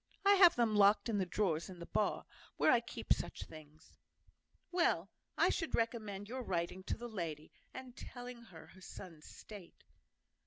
I have them locked in the drawers in the bar, where I keep such things." "Well! I should recommend your writing to the lady, and telling her her son's state."